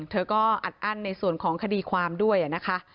เธอก็อัดอั้นในส่วนของคดีความด้วยนะคะ